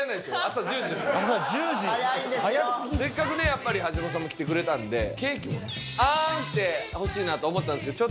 せっかくねやっぱり橋本さんも来てくれたんでケーキを「あん」してほしいなと思ったんですけど。